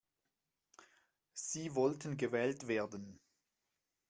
Sie wollten gewählt werden.